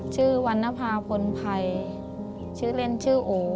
วันนภาพลภัยชื่อเล่นชื่อโอ